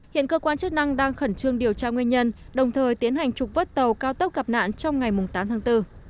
hiện cơ quan chức năng đang khẩn trương điều tra nguyên nhân đồng thời tiến hành trục vất tàu cao tốc gặp nạn trong ngày tám tháng bốn